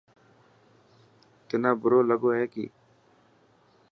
تنا برو لڳو هي ڪي.